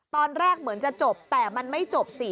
ตอนแรกเหมือนจะจบแต่มันไม่จบสิ